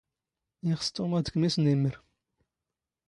ⵉⵅⵙ ⵜⵓⵎ ⴰⴷ ⴽⵎ ⵉⵙⵏⵉⵎⵎⵔ.